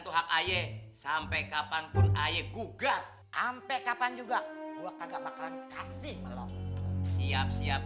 tuh hak ayah sampai kapanpun ayah gugat ampe kapan juga gua kagak bakalan kasih siap siap